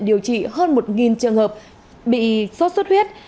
điều trị hơn một trường hợp bị sốt xuất huyết